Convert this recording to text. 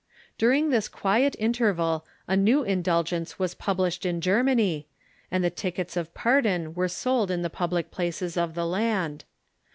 During this quiet in terval a new indulgence was published in Germany, and the tickets of pardon were sold in the public places of the land.